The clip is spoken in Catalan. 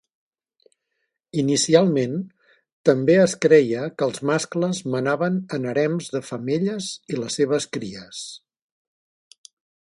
Inicialment, també es creia que els mascles manaven en harems de femelles i les seves cries.